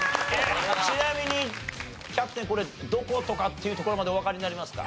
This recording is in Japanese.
ちなみにキャプテンこれどことかっていうところまでおわかりになりますか？